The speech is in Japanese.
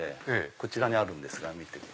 こちらにあるんですが。